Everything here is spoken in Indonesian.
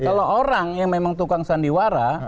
kalau orang yang memang tukang sandiwara